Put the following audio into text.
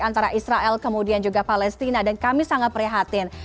antara israel kemudian juga palestina dan kami sangat prihatin